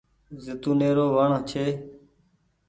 زيتونٚي رو وڻ ڇي۔